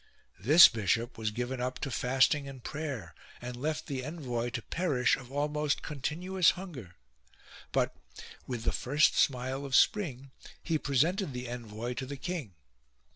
This bishop was given up to fasting and prayer, and left the envoy to perish of almost continuous hunger : but, with the first smile of spring, he presented the envoy to the king.